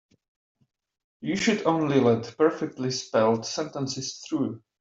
You should only let perfectly spelled sentences through.